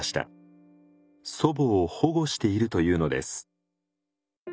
祖母を保護しているというのです。